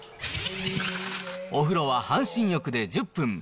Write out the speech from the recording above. お風呂は半身浴で１０分。